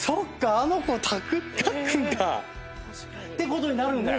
あの子タックンだ！てことになるんだよ。